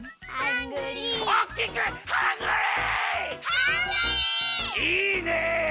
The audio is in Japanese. いいね！